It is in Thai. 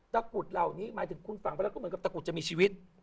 ตะกรุษเหมือนกับตะกรุษจะมีชีวิต